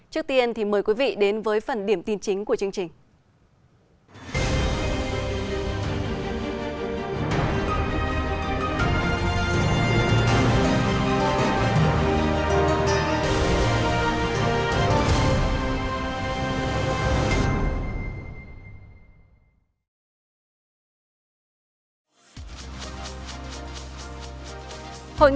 trước tiên thì mời quý vị đến với phần điểm tin chính của chương trình